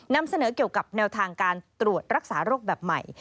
นำเสนอเกี่ยวกับแนวทางการตรวจรักษาโรคแบบใหม่